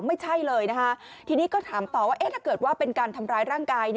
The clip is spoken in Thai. ไม่ใช่เลยนะคะทีนี้ก็ถามต่อว่าถ้าเกิดว่าเป็นการทำร้ายร่างกาย